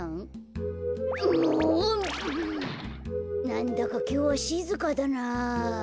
なんだかきょうはしずかだなあ。